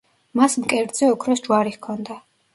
მას მკერდზე ოქროს ჯვარი ჰქონდა.